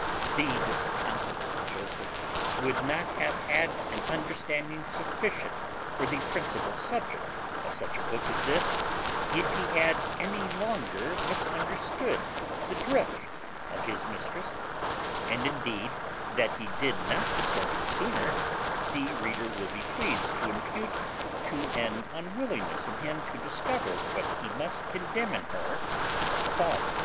_ The disconsolate Joseph would not have had an understanding sufficient for the principal subject of such a book as this, if he had any longer misunderstood the drift of his mistress; and indeed, that he did not discern it sooner, the reader will be pleased to impute to an unwillingness in him to discover what he must condemn in her as a fault.